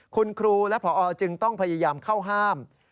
คุณครูและพอจึงต้องพยายามเข้าห้าม